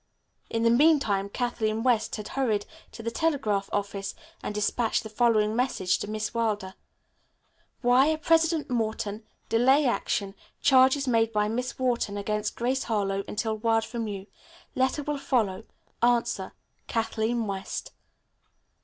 In the meantime Kathleen West had hurried to the telegraph office and despatched the following message to Miss Wilder. "Wire President Morton, delay action, charges made by Miss Wharton against Grace Harlowe, until word from you. Letter will follow. Answer. Kathleen West."